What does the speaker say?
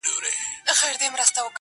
وطن له سره جوړوي بیرته جشنونه راځي!.